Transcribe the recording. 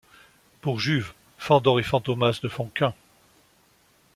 Pour Juve, Fandor et Fantômas ne font qu'un.